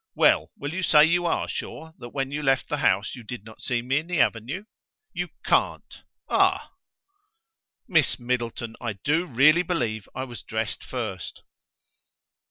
Well, will you say you are sure that when you left the house you did not see me in the avenue? You can't: ah!" "Miss Middleton, I do really believe I was dressed first."